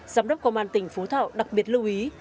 giám đốc công an tỉnh phú thọ đặc biệt lưu ý